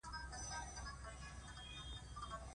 کاشکي انسان د ورانولو عادت پرېښودلی وای.